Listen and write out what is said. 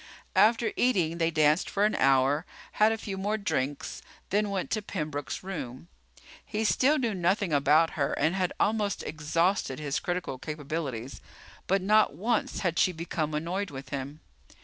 After eating they danced for an hour, had a few more drinks, then went to Pembroke's room. He still knew nothing about her and had almost exhausted his critical capabilities, but not once had she become annoyed with him.